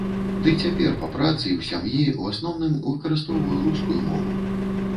Ды і цяпер па працы і ў сям'і ў асноўным выкарыстоўваю рускую мову.